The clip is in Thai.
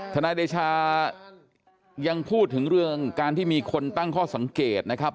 นายเดชายังพูดถึงเรื่องการที่มีคนตั้งข้อสังเกตนะครับ